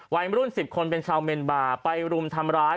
วัยรุ่น๑๐คนเป็นชาวเมียนบาร์ไปรุมทำร้าย